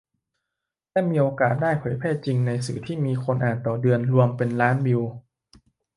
และมีโอกาสได้เผยแพร่จริงในสื่อที่มีคนอ่านต่อเดือนรวมเป็นล้านวิว